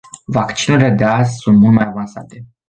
Vaccinurile de azi sunt mult mai avansate.